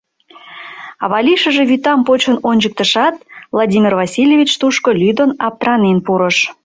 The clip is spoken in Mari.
Авалийшыже вӱтам почын ончыктышат, Владимир Васильевич тушко лӱдын-аптыранен пурыш.